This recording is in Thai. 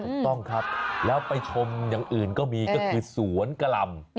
ถูกต้องครับแล้วไปชมอย่างอื่นก็มีก็คือสวนกะหล่ำ